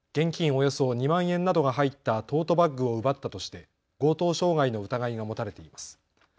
およそ２万円などが入ったトートバッグを奪ったとして強盗傷害の疑いが持たれています。